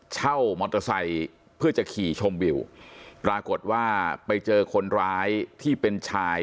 เช่ามอเตอร์ไซค์เพื่อจะขี่ชมวิวปรากฏว่าไปเจอคนร้ายที่เป็นชาย